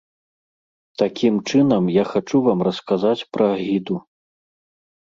Такім чынам, я хачу вам расказаць пра агіду.